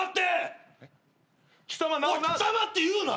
「貴様」って言うな！